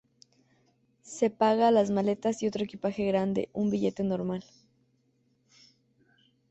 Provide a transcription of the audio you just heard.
Se paga a las maletas y otro equipaje grande un billete normal.